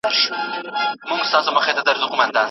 د دوکتورا برنامه بې اسنادو نه ثبت کیږي.